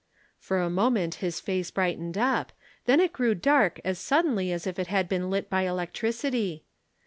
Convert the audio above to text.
"For a moment his face brightened up, then it grew dark as suddenly as if it had been lit by electricity.